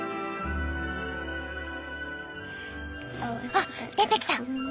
あっ出てきた。